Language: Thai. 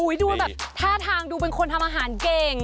ดูแบบท่าทางดูเป็นคนทำอาหารเก่ง